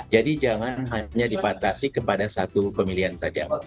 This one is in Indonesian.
jadi jangan hanya dipatasi kepada satu pemilihan saja